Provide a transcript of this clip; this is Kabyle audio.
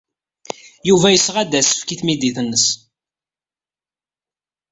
Yuba yesɣa-d asefk i tmidit-nnes.